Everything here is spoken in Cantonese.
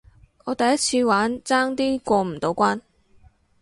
第一次玩，爭啲過唔到關